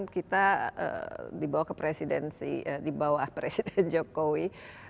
kita dibawa ke presidensi di bawah presiden jokowi